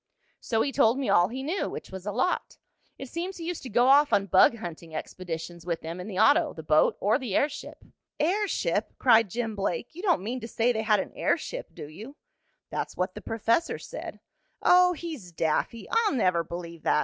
"So he told me all he knew, which was a lot. It seems he used to go off on bug hunting expeditions with them in the auto, the boat or the airship." "Airship!" cried Jim Blake. "You don't mean to say they had an airship, do you?" "That's what the professor said." "Oh, he's daffy! I'll never believe that.